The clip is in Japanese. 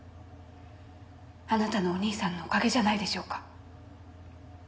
あなたのお義兄さんのおかげじゃないでしょうか。